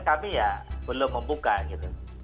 kami ya belum membuka gitu